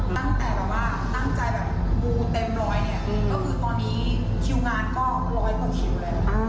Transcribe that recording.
ตั้งแต่แบบว่าตั้งใจแบบมูเต็มร้อยเนี่ยก็คือตอนนี้คิวงานก็ร้อยกว่าคิวแล้วนะคะ